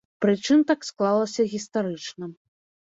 Прычым так склалася гістарычна.